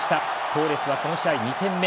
トーレスは、この試合２点目。